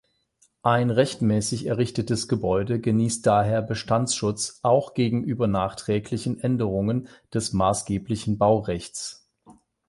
Ein rechtmäßig errichtetes Gebäude genießt daher Bestandsschutz, auch gegenüber nachträglichen Änderungen des maßgeblichen Baurechts.